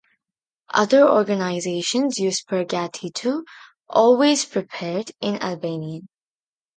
Other organizations use "Pergatitu", "Always Prepared" in Albanian.